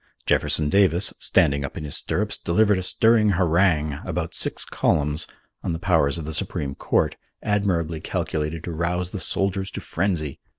Jefferson Davis, standing up in his stirrups, delivered a stirring harangue, about six columns, on the powers of the Supreme Court, admirably calculated to rouse the soldiers to frenzy.